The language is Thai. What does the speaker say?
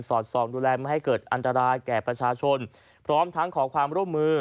อดส่องดูแลไม่ให้เกิดอันตรายแก่ประชาชนพร้อมทั้งขอความร่วมมือ